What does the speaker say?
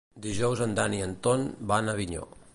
Dijous en Dan i en Ton van a Avinyó.